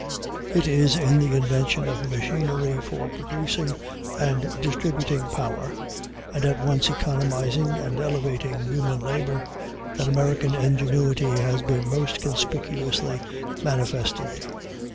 It is in the invention of machinery for producing and distributing power, and at once economizing and elevating human labor, that American ingenuity has been most conspicuously manifested.